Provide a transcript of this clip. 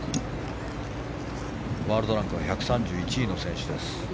ワールドランクは１３１位の選手です